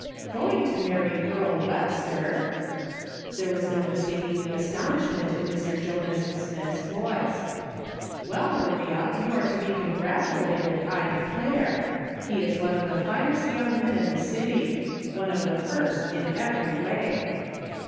" Going to marry Earle Webster !" There was no mistaking the astonishment in Mr. Jonas Smith's 202 A/J^S. SOLO MOAT SMITH LOOKING ON. voice. " "Well, Maria, you are to be congratulated, 1 declare ; he is one of the finest young men in tho city ; one of the first in every way."